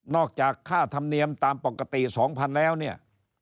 นอกจากค่าธรรมเนียมตามปกติสองพันแล้วเนี่ย